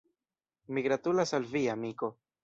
Mi gratulas al vi, amiko